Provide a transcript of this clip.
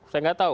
saya tidak tahu